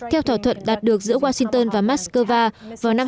theo thỏa thuận đạt được giữa washington và moscow vào năm hai nghìn một mươi